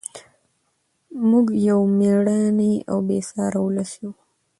موږ یو مېړنی او بې ساري ولس یو.